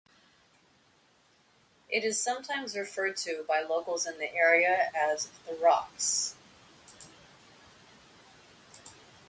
It is sometimes referred to by locals in the area as "The Rocks".